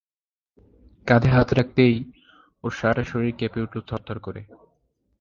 কাঁধে হাত রাখতেই ওর সারাটা শরীর কেঁপে উঠল থরথর করে।